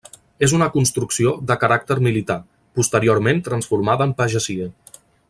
És una construcció de caràcter militar, posteriorment transformada en pagesia.